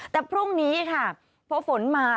แต่พรุ่งนี้ค่ะพอฝนมา